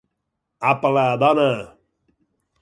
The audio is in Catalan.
Àpala, dona!